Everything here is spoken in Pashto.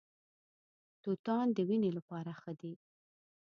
توتان د وینې لپاره ښه دي.